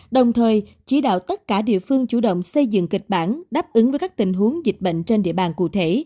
đồng thời chỉ đạo tất cả địa phương chủ động xây dựng kịch bản đáp ứng với các tình huống dịch bệnh trên địa bàn cụ thể